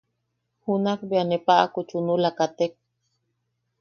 Junak bea ne paʼaku chunula katek.